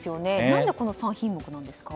何でこの３品目なんですか？